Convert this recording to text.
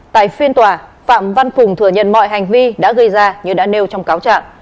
tại phiên tòa phạm văn phùng thừa nhận mọi hành vi đã gây ra như đã nêu trong cáo trạng